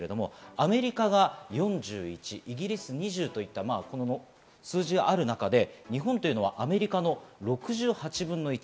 アメリカが４１、イギリス２０といった、この数字がある中で日本はアメリカの６８分の１。